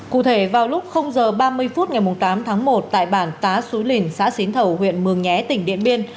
cụ thể vào lúc h ba mươi phút ngày tám tháng một tại bản tá xú lìn xã xín thầu huyện mường nhé tỉnh điện biên